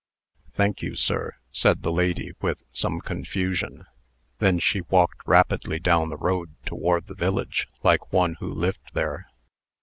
"Thank you, sir," said the lady, with some confusion. Then she walked rapidly down the road toward the village, like one who lived there.